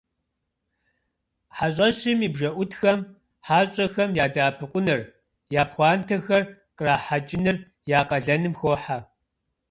Хьэщӏэщым и бжэӏутхэм хьэщӏэхэм ядэӏэпыкъуныр, я пхъуантэхэр кърахьэкӏыныр я къалэным хохьэ.